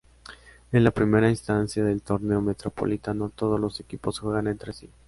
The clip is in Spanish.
En la primera instancia del torneo metropolitano todos los equipos juegan entre sí.